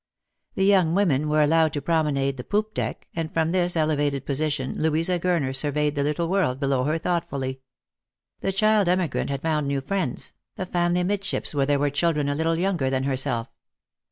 The young women were allowed to promenade the poop deck, and from this elavated position Louisa Gurner surveyed the little world below her thoughtfully. The child emigrant had found new friends — a family midships where there were children a little younger than herself.